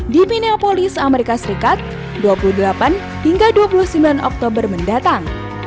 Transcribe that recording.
di mineapolis amerika serikat dua puluh delapan hingga dua puluh sembilan oktober mendatang